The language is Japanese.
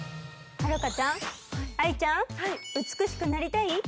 遥ちゃん、愛ちゃん、美しくなりたい？